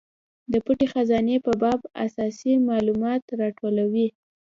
د پټې خزانې په باب اساسي مالومات راټولوي.